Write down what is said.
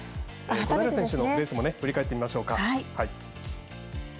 小平選手のレースも振り返ってみましょう。